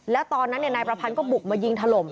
แล้วตอนนั้นนายประพันธ์ก็บุกมายิงถล่ม